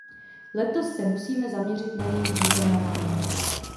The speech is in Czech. Letos se musíme zaměřit na jejich vykonávání.